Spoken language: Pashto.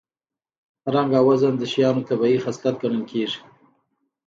رنګ او وزن د شیانو طبیعي خصلت ګڼل کېږي